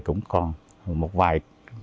cũng còn một vài